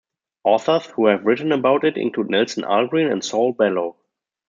Authors who have written about it include Nelson Algren and Saul Bellow.